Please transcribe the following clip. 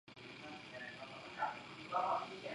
姑且再交战使他们骄傲。